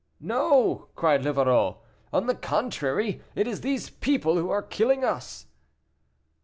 "No!" cried Livarot, "on the contrary, it is these people who are killing us."